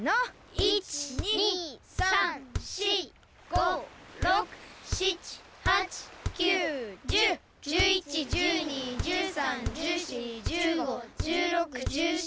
１２３４５６７８９１０１１１２１３１４１５１６１７１８１９２０２１。